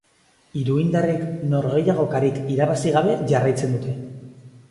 Iruindarrek norgehiagokarik irabazi gabe jarraitzen dute.